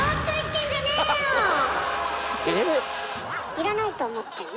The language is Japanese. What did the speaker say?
いらないと思ってんの？